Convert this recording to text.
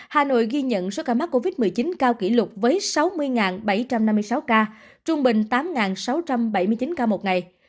hà nội ghi nhận số ca mắc covid một mươi chín cao kỷ lục với sáu mươi bảy trăm năm mươi sáu ca trung bình tám sáu trăm bảy mươi chín ca một ngày